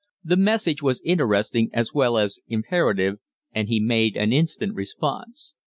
The message was interesting as well as imperative, and he made an instant response.